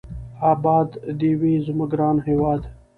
اباد دې وي زموږ ګران هېواد.